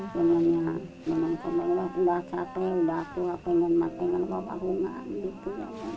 karena ya memang sudah capek sudah tua pengen makan dengan bapak bapak